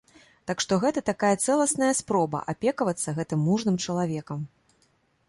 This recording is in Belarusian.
Так што гэта такая цэласная спроба апекавацца гэтым мужным чалавекам.